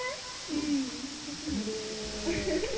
うん分かる。